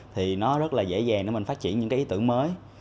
thì nó rất là dễ dàng để mình phát triển những cái ý tưởng mới